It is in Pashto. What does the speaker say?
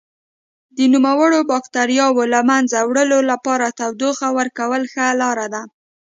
د نوموړو بکټریاوو له منځه وړلو لپاره تودوخه ورکول ښه لاره ده.